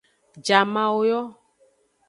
Jamawo yo.